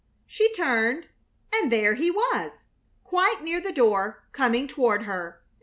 She turned, and there he was, quite near the door, coming toward her.